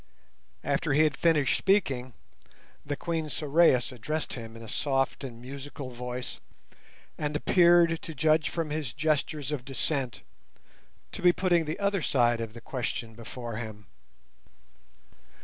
After he had finished speaking the Queen Sorais addressed him in a soft and musical voice, and appeared, to judge from his gestures of dissent, to be putting the other side of the question before him.